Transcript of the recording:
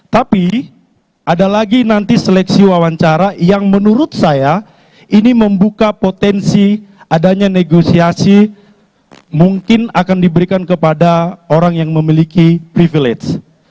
tapi ada lagi nanti seleksi wawancara yang menurut saya ini membuka potensi adanya negosiasi mungkin akan diberikan kepada orang yang memiliki privilege